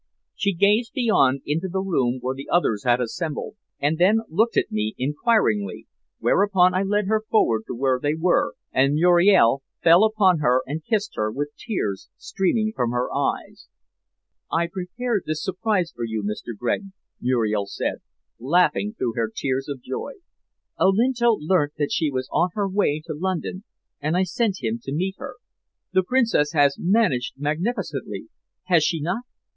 She gazed beyond into the room where the others had assembled, and then looked at me inquiringly, whereupon I led her forward to where they were, and Muriel fell upon her and kissed her with tears streaming from her eyes. "I prepared this surprise for you, Mr. Gregg," Muriel said, laughing through her tears of joy. "Olinto learnt that she was on her way to London, and I sent him to meet her. The Princess has managed magnificently, has she not?"